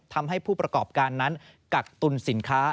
ทำให้ผู้ประกอบการนั้นกักตุลสินค้า